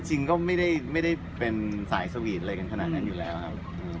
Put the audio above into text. จริงก็ไม่ได้เป็นสายสวีทอะไรกันขนาดนั้นอยู่แล้วครับ